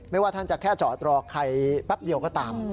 ว่าท่านจะแค่จอดรอใครแป๊บเดียวก็ตาม